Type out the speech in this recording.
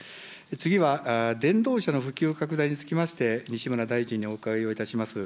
次は電動車の普及拡大につきまして、西村大臣にお伺いをいたします。